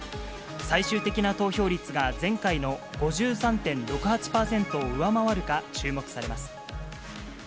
最終的な投票率が前回の５３．６８％を上回るか、注目されます。